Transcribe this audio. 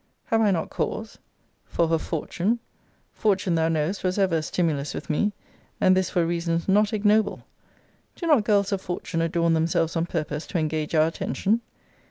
Have I not cause? For her FORTUNE; fortune, thou knowest, was ever a stimulus with me; and this for reasons not ignoble. Do not girls of fortune adorn themselves on purpose to engage our attention?